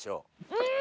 うん！